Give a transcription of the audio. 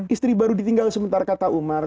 istri baru ditinggal sementara kata umar